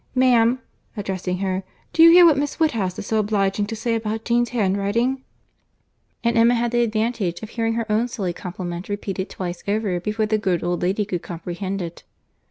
Ma'am," addressing her, "do you hear what Miss Woodhouse is so obliging to say about Jane's handwriting?" And Emma had the advantage of hearing her own silly compliment repeated twice over before the good old lady could comprehend it.